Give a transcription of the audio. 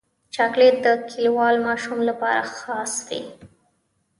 چاکلېټ د کلیوال ماشوم لپاره خاص وي.